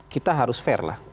kita harus fair lah